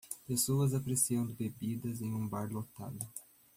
Pessoas apreciando bebidas em um bar lotado.